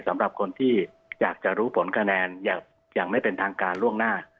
สำหรับคนที่อยากจะรู้ผลคะแนนอย่างไม่เป็นทางการล่วงหน้า